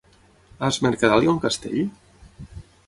A Es Mercadal hi ha un castell?